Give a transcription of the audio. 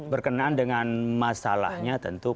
berkenaan dengan masalahnya tentu